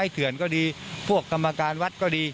ถูกหมา